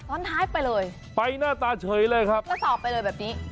ท้ายไปเลยไปหน้าตาเฉยเลยครับแล้วสอบไปเลยแบบนี้